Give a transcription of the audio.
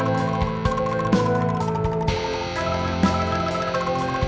jangan terlalu banyak ngeri ga program yang luar biasa